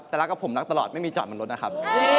แต่รักกับผมรักตลอดไม่มีจอดบนรถนะครับ